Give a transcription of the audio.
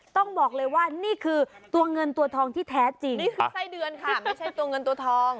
ต้องบอกเลยว่านี่คือตัวเงินตัวทองที่แท้จริงนี่คือไส้เดือนค่ะไม่ใช่ตัวเงินตัวทอง